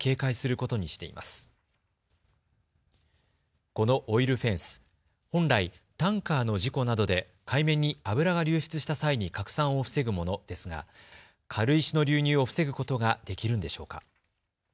このオイルフェンス、本来、タンカーの事故などで海面に油が流出した際に拡散を防ぐものですが軽石の流入を防ぐことができるんでしょうか。